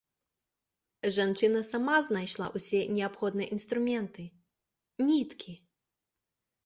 Жанчына сама знайшла ўсе неабходныя інструменты, ніткі.